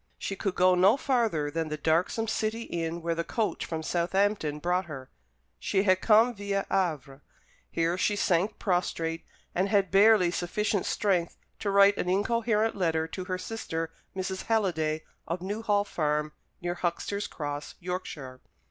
She could go no farther than the darksome city inn where the coach from Southampton brought her. She had come viâ Havre. Here she sank prostrate, and had barely sufficient strength to write an incoherent letter to her sister, Mrs. Halliday, of Newhall Farm, near Huxter's Cross, Yorkshire.